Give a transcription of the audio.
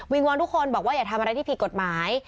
วอนทุกคนบอกว่าอย่าทำอะไรที่ผิดกฎหมาย